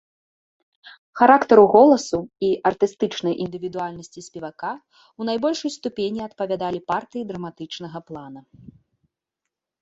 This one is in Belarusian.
Характару голасу і артыстычнай індывідуальнасці спевака ў найбольшай ступені адпавядалі партыі драматычнага плана.